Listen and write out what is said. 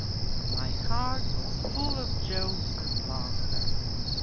" My heart was full of jokes and laughter.